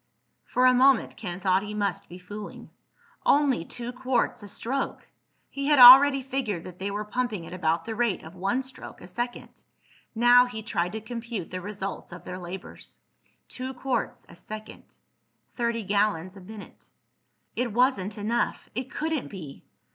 For a moment Ken thought he must be fooling. Only two quarts a stroke! He had already figured that they were pumping at about the rate of one stroke a second. Now he tried to compute the results of their labors. Two quarts a second—thirty gallons a minute. It wasn't enough! It couldn't be!